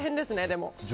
でも。